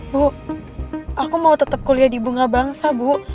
bu aku mau tetap kuliah di bunga bangsa bu